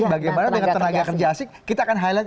bagaimana dengan tenaga kerja asing kita akan highlight